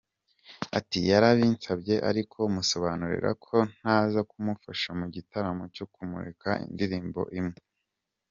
Ati « Yarabinsabye ariko musobanurira ko ntaza kumufasha mu gitaramo cyo kumurika indirimbo imwe.